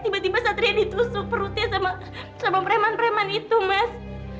tiba tiba satria ditusuk perutnya sama sabang preman preman itu mas